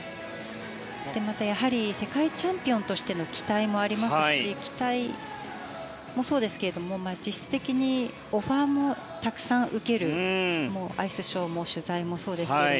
やはり世界チャンピオンとしての期待もありますし期待もそうですけれども実質的に、オファーもたくさん受けるアイスショーも取材もそうですけど。